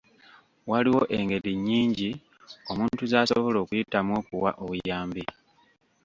Waliwo engeri nnyingi omuntu zasobola okuyitamu okuwa obuyambi.